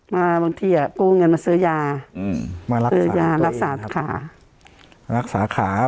มาบางทีอ่ะกู้เงินมาซื้อยาอืมมารักษารักษาขา